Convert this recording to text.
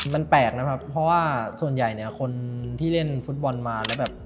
มันแปลกนะครับเพราะว่าส่วนใหญ่คนที่เล่นฟุตบอลมา